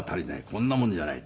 こんなもんじゃない」。